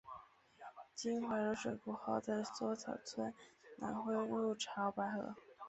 流经怀柔水库后在梭草村南汇入潮白河。